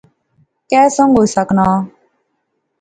کہہ سنگ ہوئی سکنا